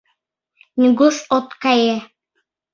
Нигуш от кае!